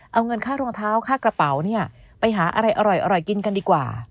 เอาเงินค่ารองเท้าค่ากระเป๋าเนี่ยไปหาอะไรอร่อยกินกันดีกว่า